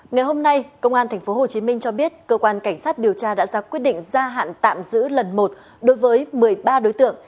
ngày hôm nay công an tp hcm cho biết cơ quan cảnh sát điều tra đã ra quyết định gia hạn tạm giữ lần một đối với một mươi ba đối tượng